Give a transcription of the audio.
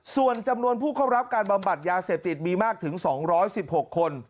ส่วนจำนวนผู้เข้ารับการบำบัดยาเสพติดมีมากถึง๒๑๖คน